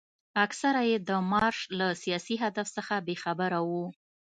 اکثره یې د مارش له سیاسي هدف څخه بې خبره وو.